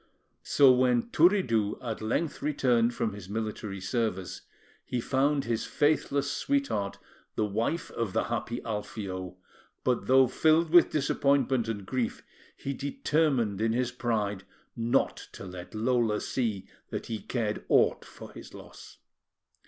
So when Turiddu at length returned from his military service, he found his faithless sweetheart the wife of the happy Alfio; but though filled with disappointment and grief, he determined in his pride not to let Lola see that he cared aught for his loss.